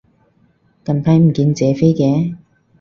近排唔見謝飛嘅